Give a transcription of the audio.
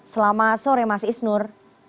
selamat sore mas isnur